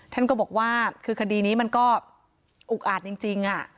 ท่านก็บอกว่าคือคดีนี้มันก็อุกอาจจริง